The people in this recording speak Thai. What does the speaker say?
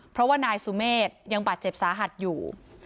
เพราะว่านายสุเมฆยังบาดเจ็บสาหัสอยู่